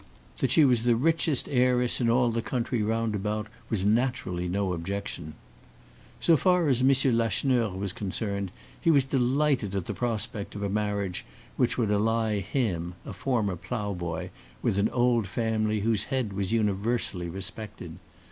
That she was the richest heiress in all the country round about was naturally no objection. So far as M. Lacheneur was concerned, he was delighted at the prospect of a marriage which would ally him, a former ploughboy, with an old family whose head was universally respected.